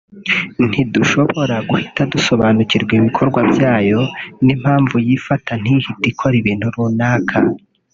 ntidushobora guhita dusobanukirwa ibikorwa byayo n’impamvu yifata ntihite ikora ibintu runaka